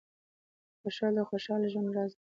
• بښل د خوشحال ژوند راز دی.